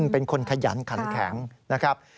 เป็นคนขยันขันแข็งนะครับ